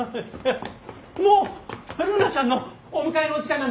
もうるなちゃんのお迎えの時間なんだ。